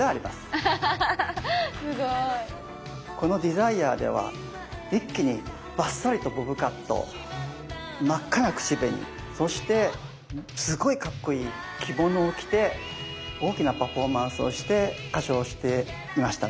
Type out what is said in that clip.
この「ＤＥＳＩＲＥ−情熱−」では一気にばっさりとボブカット真っ赤な口紅そしてすごいかっこいい着物を着て大きなパフォーマンスをして歌唱していましたね。